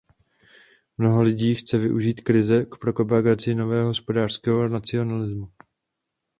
Mnoho lidí chce využít krize k propagaci nového hospodářského nacionalismu.